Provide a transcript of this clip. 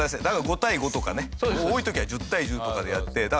だから５対５とかね多い時は１０対１０とかでやって。